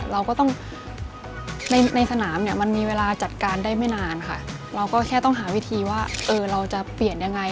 เราก็ต้องในในสนามเนี่ยมันมีเวลาจัดการได้ไม่นานค่ะเราก็แค่ต้องหาวิธีว่าเออเราจะเปลี่ยนยังไง